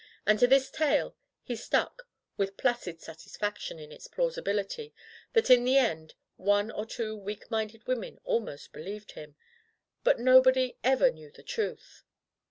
And to this tale he stuck with such placid satisfaction in its plausibility that in the end one or two weak minded women almost believed him, but nobody ever knew the truth.